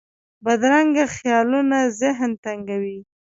بدرنګه خیالونه ذهن تنګوي